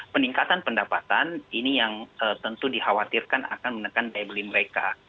peningkatan pendapatan ini yang tentu dikhawatirkan akan menekan daya beli mereka